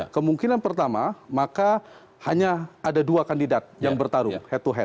kemungkinan pertama maka hanya ada dua kandidat yang bertarung head to head